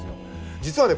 実はね